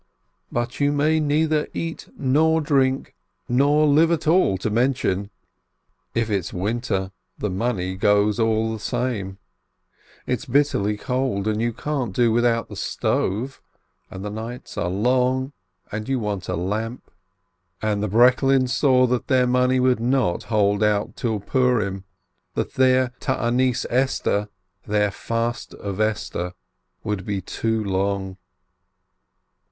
But you may neither eat nor drink, nor live at all to mention — if it's winter, the money goes all the same: it's bitterly cold, and you can't do without the stove, and the nights are long, and you want a lamp. And the Breklins saw that their money would not hold out till Purim — that their Fast of Esther would be too long.